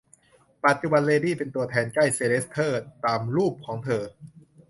ปัจจุบันเลดี้เป็นตัวแทนใกล้เซอร์เลสเตอร์ตามรูปของเธอ